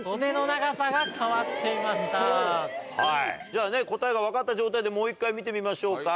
じゃあね答えが分かった状態でもう１回見てみましょうか。